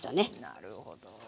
なるほど。